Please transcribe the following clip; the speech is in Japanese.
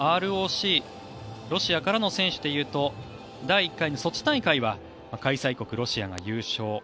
ロシアからの選手でいうと第１回のソチ大会は開催国ロシアが優勝。